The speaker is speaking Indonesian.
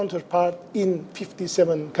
di lima puluh tujuh negara secara langsung